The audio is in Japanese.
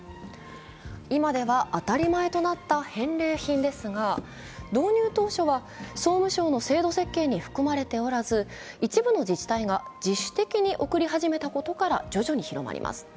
今では当たり前となった返礼品ですが導入当初は総務省の制度設計に含まれておらず、一部の自治体が自主的に送り始めたことから徐々に広まります。